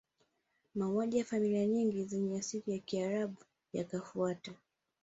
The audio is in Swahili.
Mauaji ya familia nyingi zenye asili ya Kiarabu yakafuata